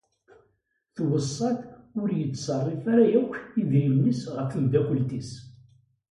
Tweṣṣa-t ur yetṣerrif ara yakk idrimen-is ɣef temdakult-is.